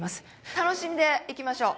楽しんでいきましょう